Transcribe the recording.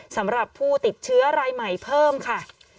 สำหรับผู้ติดเชื้อรายใหม่เพิ่มค่ะ